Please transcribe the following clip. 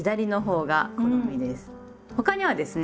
他にはですね